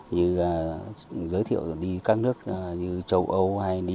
như giới thiệu đi các nước như châu âu